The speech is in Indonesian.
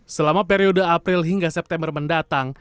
selama periode april hingga september mendatang